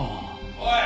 おい！